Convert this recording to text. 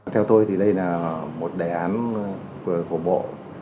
theo tôi thì đây là một đề án của bộ